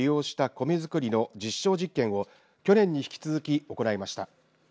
米作りの実証実験を去年に引き続き行いました。